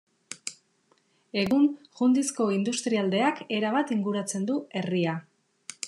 Egun Jundizko industrialdeak erabat inguratzen du herria.